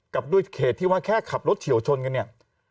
ด้วยเขตที่ว่าแค่ขับรถเฉียวชนกันเนี่ย